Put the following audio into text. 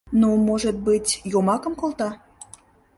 Ну, может быть, йомакым колта?